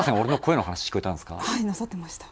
なさってました。